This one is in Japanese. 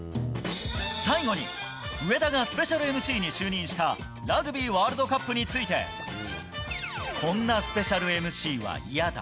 最後に、上田がスペシャルＭＣに就任したラグビーワールドカップについて、こんなスペシャルＭＣは嫌だ。